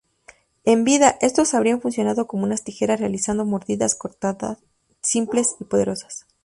En vida, estos habrían funcionado como unas tijeras realizando mordidas cortadoras simples y poderosas.